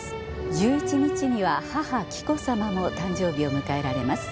１１日には母紀子さまも誕生日を迎えられます。